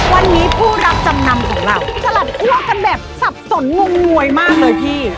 วันนี้ผู้รับจำนำของเราสลัดคั่วกันแบบสับสนงงงวยมากเลยพี่